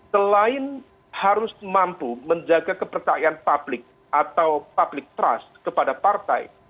selain harus mampu menjaga kepercayaan publik atau public trust kepada partai